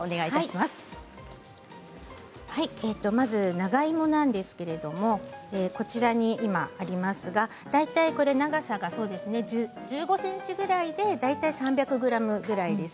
まず長芋なんですけど大体長さが１５ｃｍぐらいで大体３００ｇぐらいです。